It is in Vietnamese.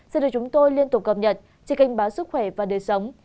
xin được chúng tôi liên tục cập nhật trên kênh báo sức khỏe và đời sống